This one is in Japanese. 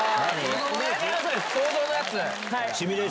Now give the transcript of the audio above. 想像のやつ！